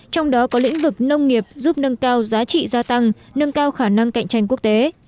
trong đó có lĩnh vực nông nghiệp giúp nâng cao giá trị gia tăng nâng cao khả năng cạnh tranh quốc tế